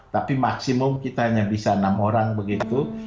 tapi maksimum kita hanya bisa enam orang begitu